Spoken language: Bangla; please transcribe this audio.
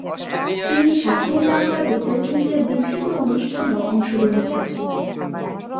তিনি স্বাধীন বাংলা বেতার কেন্দ্রের বিভিন্ন অনুষ্ঠানেও অংশগ্রহণ করেছেন।